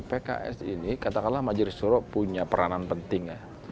pks ini katakanlah majelis suro punya peranan penting ya